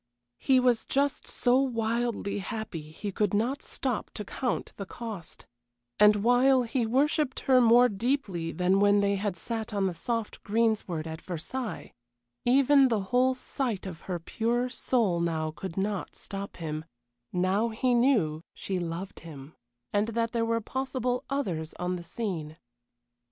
He was just so wildly happy he could not stop to count the cost; and while he worshipped her more deeply than when they had sat on the soft greensward at Versailles, even the whole sight of her pure soul now could not stop him now he knew she loved him, and that there were possible others on the scene.